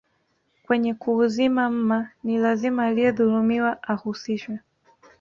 Kwenye kuuzima mma ni lazima aliyedhulumiwa ahusishwe